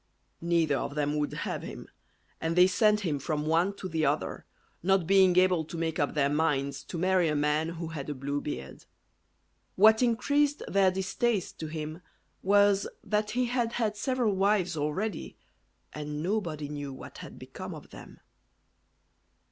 Neither of them would have him; and they sent him from one to the other, not being able to make up their minds to marry a man who had a blue beard. What increased their distaste to him was, that he had had several wives already, and nobody knew what had become of them.